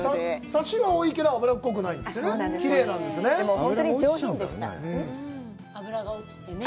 サシは多いけど、脂っこくないんですね。